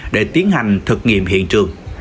để tiến hành thực nghiệm hiện trường